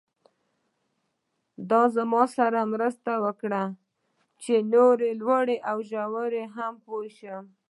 دا زموږ سره مرسته کوي چې نورو لوړو ژورو هم پوه شو.